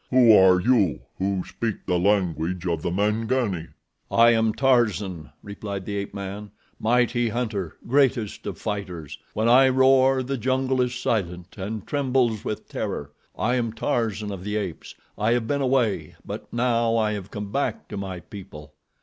"Who are you who speak the language of the Mangani?" "I am Tarzan," replied the ape man; "mighty hunter, greatest of fighters. When I roar, the jungle is silent and trembles with terror. I am Tarzan of the Apes. I have been away; but now I have come back to my people."